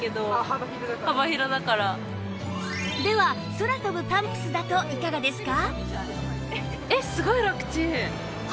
では空飛ぶパンプスだといかがですか？